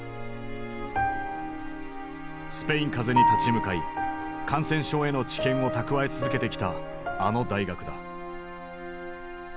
スペイン風邪に立ち向かい感染症への知見を蓄え続けてきたあの大学だ。